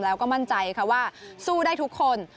แล้วก็มั่นใจค่ะว่าสู้ได้ทุกคน